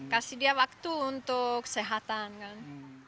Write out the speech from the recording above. kasih dia waktu untuk kesehatan kan